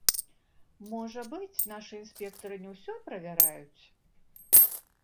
Можа быць, нашы інспектары не ўсё правяраюць?